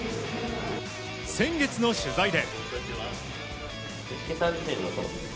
先月の取材で。